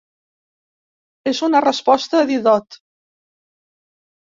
És una resposta a Didot.